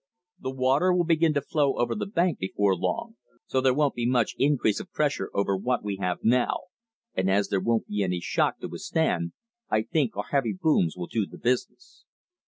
The water will begin to flow over the bank before long, so there won't be much increase of pressure over what we have now; and as there won't be any shock to withstand, I think our heavy booms will do the business."